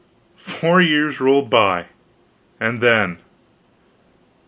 Four years rolled by and then!